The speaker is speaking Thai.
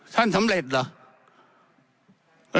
ท่านสำเร็จเหรอ